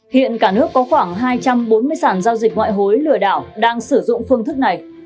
hiện cả nước có khoảng hai trăm bốn mươi sản giao dịch ngoại hối lừa đảo đang sử dụng phương thức này